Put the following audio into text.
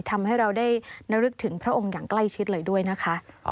ทำให้เราได้ระลึกถึงพระองค์อย่างใกล้ชิดเลยด้วยนะคะ